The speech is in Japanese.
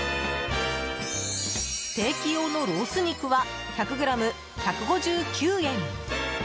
ステーキ用のロース肉は１００ｇ１５９円。